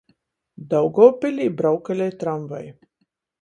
Daugovpiļī braukalej tramvaji.